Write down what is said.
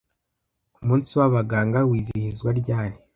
Umunsi w'abaganga wizihizwa ryari